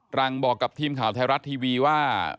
หลังบอกกับทีมข่าวไทยรัฐทีวีว่า